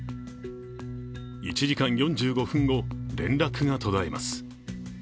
１時間４５分後、連絡が途絶えます。